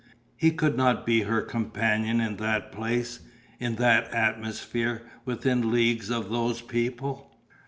He could not be her companion in that place, in that atmosphere, within leagues of those people.